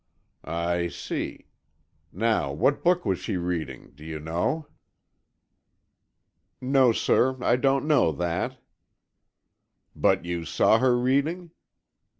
"I see. Now, what book was she reading? Do you know?" "No, sir, I don't know that." "But you saw her reading?"